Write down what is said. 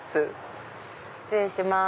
失礼します。